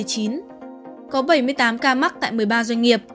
có bảy mươi tám ca mắc tại một mươi ba doanh nghiệp